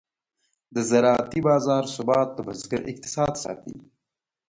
د زراعتي بازار ثبات د بزګر اقتصاد ساتي.